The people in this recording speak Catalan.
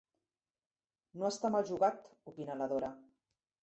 No està mal jugat —opina la Dora—.